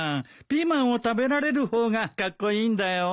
ピーマンを食べられる方がカッコイイんだよ。